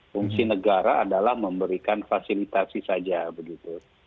fungsi negara adalah memberikan fasilitasi saja begitu